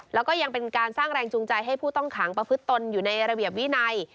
แล้วก็ยังเป็นการสร้างแรงจูงใจให้ผู้ต้องขังประพฤติตนอยู่ในระเบียบวินัย